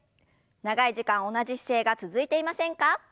長い時間同じ姿勢が続いていませんか？